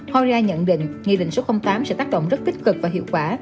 hora nhận định nghị định số tám sẽ tác động rất tích cực và hiệu quả